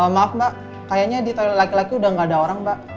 maaf mbak kayaknya di toilet laki laki udah gak ada orang mbak